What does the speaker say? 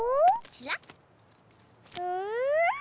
ちらっ！